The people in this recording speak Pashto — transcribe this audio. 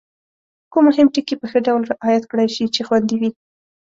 کوم مهم ټکي په ښه ډول رعایت کړای شي چې خوندي وي؟